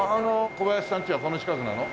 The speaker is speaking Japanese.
小林さん家はこの近くなの？